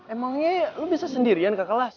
emangnya lu bisa sendirian ke kelas